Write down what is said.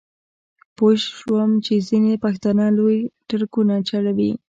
پوی شوم چې ځینې پښتانه لوی ټرکونه چلوي.